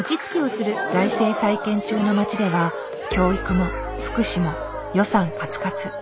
財政再建中の町では教育も福祉も予算カツカツ。